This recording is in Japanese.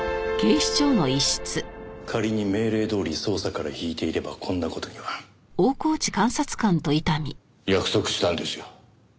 仮に命令どおり捜査から引いていればこんな事には。約束したんですよ。